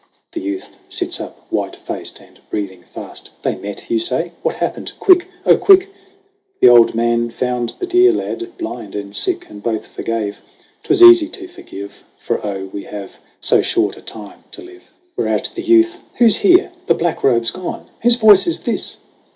The youth sits up, white faced and breathing fast : "They met, you say ? What happened ? Quick ! Oh quick!" "The old man found the dear lad blind and sick And both forgave 'twas easy to forgive For oh we have so short a time to live " 126 SONG OF HUGH GLASS Whereat the youth : "Who's here ? The Black Robe's gone ! Whose voice is this